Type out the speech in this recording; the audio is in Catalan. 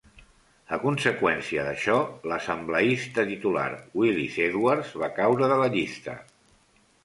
A conseqüència d'això, l'assembleista titular Willis Edwards va caure de la llista.